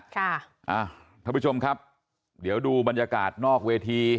ท่านผู้ชมครับเดี๋ยวดูบรรยากาศนอกเวที